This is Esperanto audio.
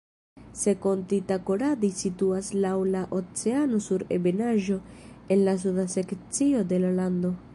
Sekondi-Takoradi situas laŭ la oceano sur ebenaĵo en la suda sekcio de la lando.